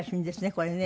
これね。